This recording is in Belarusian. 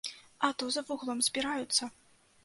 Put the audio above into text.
А то за вуглом збіраюцца.